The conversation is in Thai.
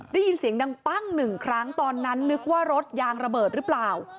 ได้ยินเสียงดังปั้งหนึ่งครั้งตอนนั้นนึกว่ารถยางระเบิดหรือเปล่า